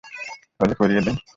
তাইলে করিয়ে নেই?